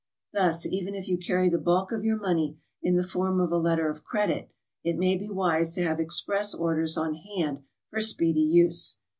Thus, even if you carry the bulk of your money in the form of a letter of credit, it may be wise to have express orders on hand for speedy use.